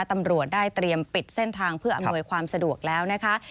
ตำรวจได้เตรียมปิดเส้นทางเพื่ออำนวยความสะดวกแล้วนะคะ